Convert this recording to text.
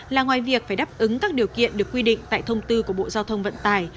là ngoài việc phải đáp ứng các điều kiện được quy định tại thông tư của bộ giao thông vận tải